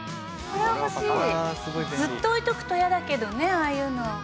ずっと置いておくと嫌だけどねああいうの。